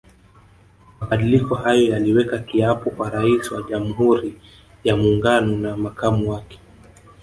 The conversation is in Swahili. Mabadiliko hayo yaliweka kiapo kwa Raisi wa Jamhuri ya Muungano na makamu wake